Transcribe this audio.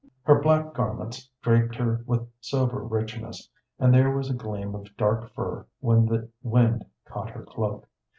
Her black garments draped her with sober richness, and there was a gleam of dark fur when the wind caught her cloak.